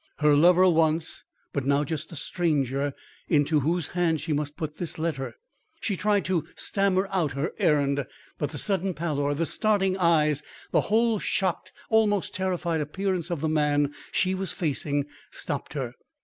her lover once, but now just a stranger into whose hand she must put this letter. She tried to stammer out her errand; but the sudden pallor, the starting eyes the whole shocked, almost terrified appearance of the man she was facing, stopped her.